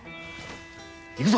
行くぞ！